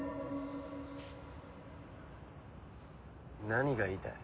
何が言いたい？